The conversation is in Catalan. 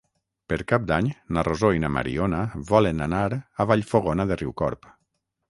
Per Cap d'Any na Rosó i na Mariona volen anar a Vallfogona de Riucorb.